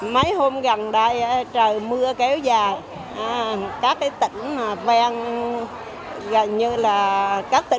mấy hôm gần đây trời mưa kéo dài các tỉnh ven gần như là các tỉnh